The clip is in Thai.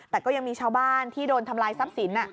แต่ก็ยังมีชาวบ้านที่โดนทำลายทรัพย์สิน